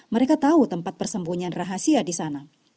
mereka tahu tempat persembunyian rahasia di sana